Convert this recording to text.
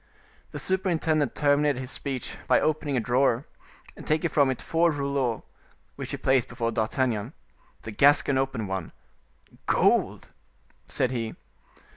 The superintendent terminated his speech by opening a drawer, and taking from it four rouleaux, which he placed before D'Artagnan. The Gascon opened one. "Gold!" said he.